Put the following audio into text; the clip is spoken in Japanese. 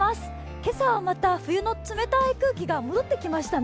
今朝はまた冬の冷たい空気が戻ってきましたね。